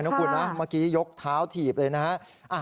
เมื่อกี้ยกเท้าถีบเลยนะฮะ